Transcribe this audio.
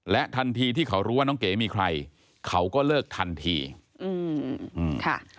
ทันทีที่เขารู้ว่าน้องเก๋มีใครเขาก็เลิกทันทีอืมค่ะ